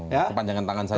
kepanjangan tangan saja